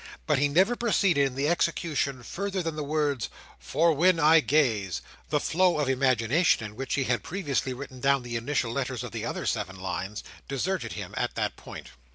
But he never proceeded in the execution further than the words "For when I gaze,"—the flow of imagination in which he had previously written down the initial letters of the other seven lines, deserting him at that point.